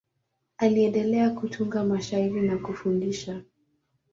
Aliendelea kutunga mashairi na kufundisha.